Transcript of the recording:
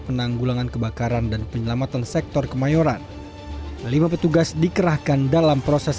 penanggulangan kebakaran dan penyelamatan sektor kemayoran lima petugas dikerahkan dalam proses